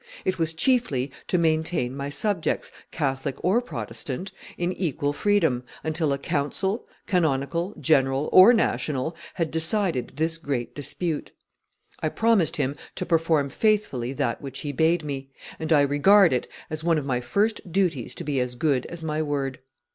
It was chiefly to maintain my subjects, Catholic or Protestant, in equal freedom, until a council, canonical, general, or national, had decided this great dispute. I promised him to perform faithfully that which he bade me, and I regard it as one of my first duties to be as good as my word.